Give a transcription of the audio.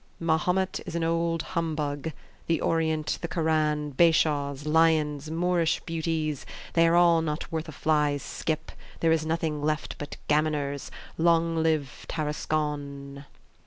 Mahomet is an old humbug! The Orient, the Koran, bashaws, lions, Moorish beauties they are all not worth a fly's skip! There is nothing left but gammoners. Long live Tarascon!"